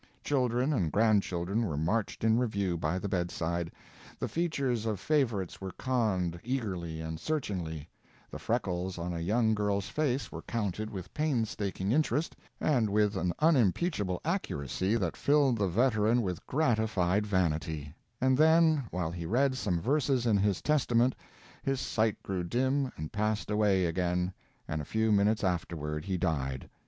Children and grandchildren were marched in review by the bedside; the features of favorites were conned eagerly and searchingly; the freckles on a young girl's face were counted with painstaking interest, and with an unimpeachable accuracy that filled the veteran with gratified vanity; and then, while he read some verses in his Testament his sight grew dim and passed away again, and a few minutes afterward he died.